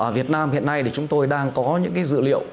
ở việt nam hiện nay thì chúng tôi đang có những cái dự liệu